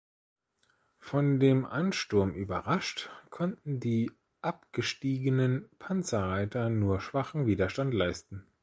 Von dem Ansturm überrascht, konnten die abgestiegenen Panzerreiter nur schwachen Widerstand leisten.